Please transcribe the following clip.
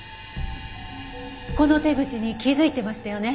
この手口に気づいてましたよね？